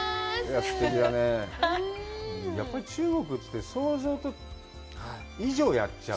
やっぱり中国って、想像以上をやっちゃう。